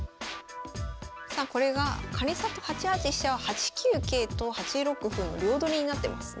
さあこれがかりんさんの８八飛車は８九桂と８六歩の両取りになってますね。